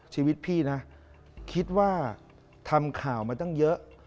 ชีวิตพี่นะคิดว่าทำข่าวมาตั้งเยอะ